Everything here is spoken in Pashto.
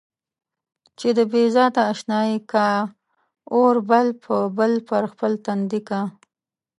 چې د بې ذاته اشنايي کا اور به بل پر خپل تندي کا.